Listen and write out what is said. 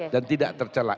dan tidak tercelak